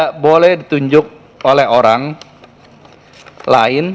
tidak boleh ditunjuk oleh orang lain